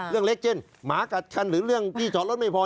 เรื่องเล็กเช่นหมากัดกันหรือเรื่องที่จอดรถไม่พอ